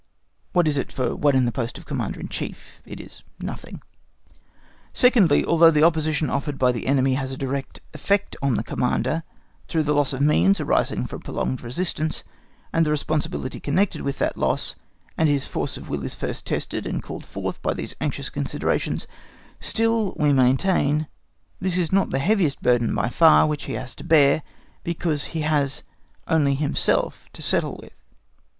What is it for one in the post of Commander in Chief? It is nothing. Secondly, although the opposition offered by the enemy has a direct effect on the Commander through the loss of means arising from prolonged resistance, and the responsibility connected with that loss, and his force of will is first tested and called forth by these anxious considerations, still we maintain that this is not the heaviest burden by far which he has to bear, because he has only himself to settle with.